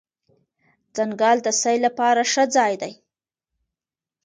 ځنګل د سیل لپاره ښه ځای دی.